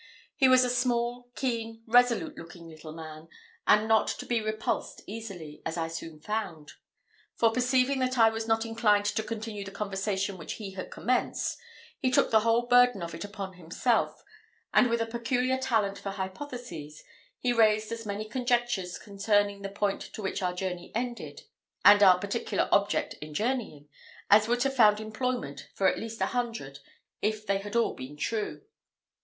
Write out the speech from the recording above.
He was a small, keen, resolute looking little man, and not to be repulsed easily, as I very soon found; for, perceiving that I was not inclined to continue the conversation which he had commenced, he took the whole burden of it upon himself; and with a peculiar talent for hypotheses, he raised as many conjectures concerning the point to which our journey tended, and our particular object in journeying, as would have found employment for at least a hundred, if they had all been true.